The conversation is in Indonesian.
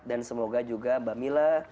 dan semoga juga bapak mila